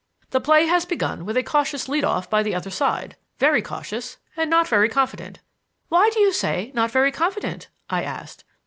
"The play has begun with a cautious lead off by the other side. Very cautious and not very confident." "Why do you say 'not very confident'?" I asked.